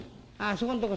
そこんとこ。